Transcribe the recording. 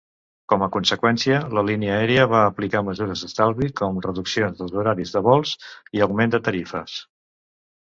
Com a conseqüència, la línia aèria va aplicar mesures d'estalvi, com reduccions dels horaris dels vols i augment de tarifes.